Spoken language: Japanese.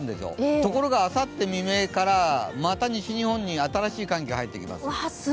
ところがあさって未明から、また西日本に新しい寒気が入ってきます。